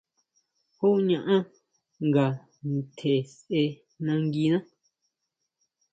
¿Jú ñaʼán nga ntje sʼe nanguiná?